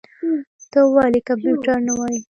ته ولي کمپيوټر نه وايې؟